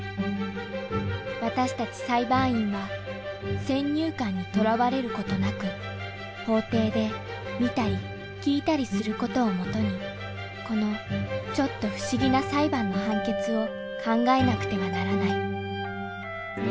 私たち裁判員は先入観にとらわれることなく法廷で見たり聞いたりすることをもとにこのちょっと不思議な裁判の判決を考えなくてはならない。